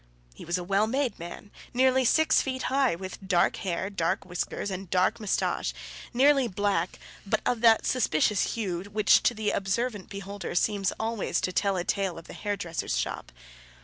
He was a well made man, nearly six feet high, with dark hair, dark whiskers, and dark moustache, nearly black, but of that suspicious hue which to the observant beholder seems always to tell a tale of the hairdresser's shop.